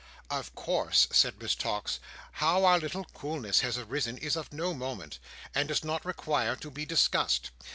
"Of course," said Miss Tox, "how our little coolness has arisen is of no moment, and does not require to be discussed.